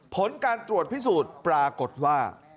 ผลการตรวจพิสูจน์ปรากฏว่า